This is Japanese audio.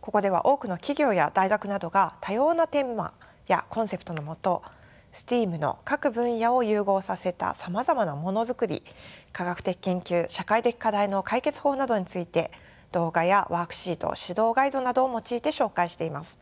ここでは多くの企業や大学などが多様なテーマやコンセプトのもとＳＴＥＡＭの各分野を融合させたさまざまなものづくり科学的研究社会的課題の解決法などについて動画やワークシート指導ガイドなどを用いて紹介しています。